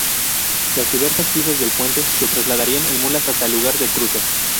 Las diversas piezas del puente se trasladarían en mulas hasta el lugar del cruce.